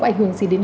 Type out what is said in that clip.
có ảnh hưởng gì đến